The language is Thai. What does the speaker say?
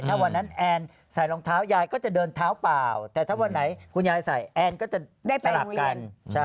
ถ้าวันนั้นแอนใส่รองเท้ายายก็จะเดินเท้าเปล่าแต่ถ้าวันไหนคุณยายใส่แอนก็จะได้สลับกัน